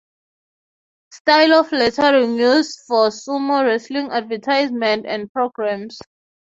Style of lettering used for sumo wrestling advertisements and programmes.